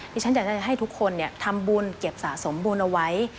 ฉันอยากจะให้ทุกคนทำบุญเก็บสะสมบุญเอาไว้